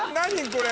これ。